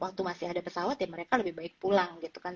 waktu masih ada pesawat ya mereka lebih baik pulang gitu kan